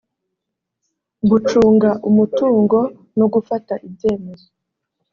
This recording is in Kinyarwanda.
gucunga umutungo no gufata ibyemezo